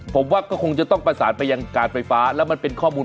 ผมว่าก็คงจะต้องประสานไปยังการไฟฟ้าแล้วมันเป็นข้อมูล